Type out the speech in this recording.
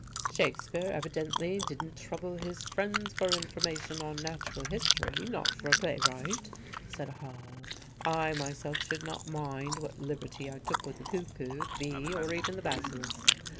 "Shakespeare evidently didn't trouble his friends for information on natural history, not for a playwright," said Hall. "I myself should not mind what liberty I took with the cuckoo, the bee, or even the basilisk.